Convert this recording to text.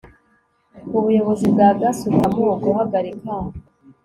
ubuyobozi bwa gasutamo guhagarika